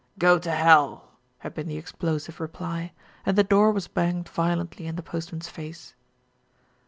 "Go to hell !" had been the explosive reply, and the door was banged violently in the postman's face.